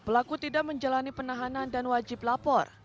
pelaku tidak menjalani penahanan dan wajib lapor